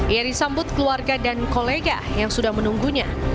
ia disambut keluarga dan kolega yang sudah menunggunya